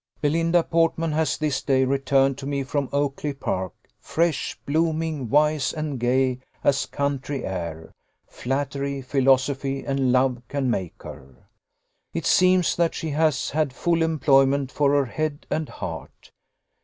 Belinda Portman has this day returned to me from Oakly park, fresh, blooming, wise, and gay, as country air, flattery, philosophy, and love can make her. It seems that she has had full employment for her head and heart.